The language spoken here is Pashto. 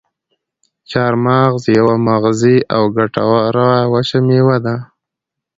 چارمغز یوه مغذي او ګټوره وچه میوه ده.